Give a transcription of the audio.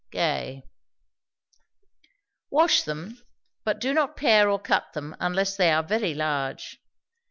GAY. Wash them, but do not pare or cut them, unless they are very large.